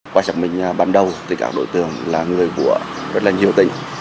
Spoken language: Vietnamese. qua trạm mình bắn đầu tất cả đối tượng là người của rất là nhiều tỉnh